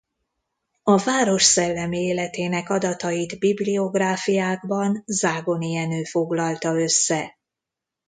A város szellemi életének adatait bibliográfiákban Zágoni Jenő foglalta össze.